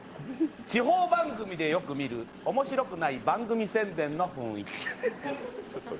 地方番組でよく見る面白くない番組宣伝の雰囲気。